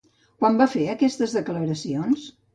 Quan va fer aquestes declaracions?